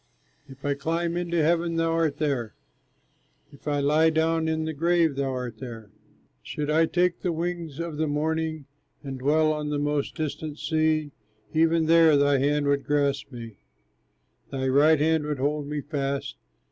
If I climb into heaven, thou art there, If I lie down in the grave, thou art there. Should I take the wings of the morning, And dwell on the most distant sea, Even there thy hand would grasp me, Thy right hand would hold me fast.